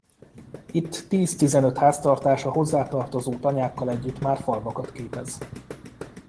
Itt tíz-tizenöt háztartás a hozzá tartozó tanyákkal együtt már falvakat képez.